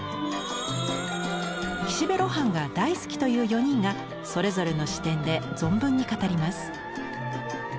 岸辺露伴が大好きという４人がそれぞれの視点で存分に語ります。